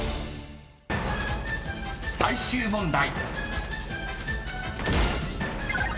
［最終問題］